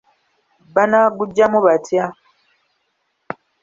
Baanaguggyamu batya?